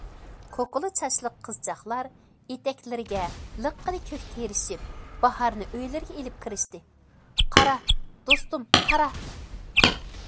كوكۇلا چاچلىق قىزچاقلار ئېتەكلىرىگە لىققىدە كۆك تېرىشىپ، باھارنى ئۆيلىرىگە ئېلىپ كىرىشتى... قارا، دوستۇم، قارا!